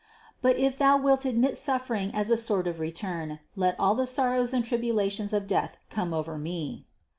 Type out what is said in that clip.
But if Thou wilt admit suffering as a sort of return, let all the sorrows and tribulations of death come over me.